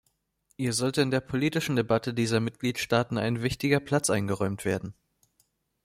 Ihr sollte in der politischen Debatte dieser Mitgliedstaaten ein wichtiger Platz eingeräumt werden.